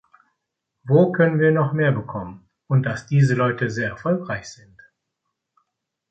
Wo können wir noch mehr bekommen?", und dass diese Leute sehr erfolgreich sind.